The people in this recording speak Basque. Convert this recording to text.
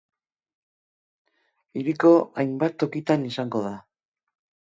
Hiriko hainbat tokitan izango da.